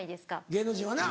芸能人はな。